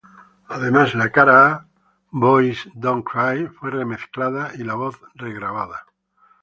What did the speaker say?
Además, la cara a, "Boys Don't Cry" fue remezclada, y la voz regrabada.